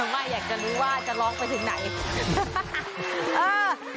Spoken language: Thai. ไม่อยากจะรู้ว่าจะร้องไปถึงไหน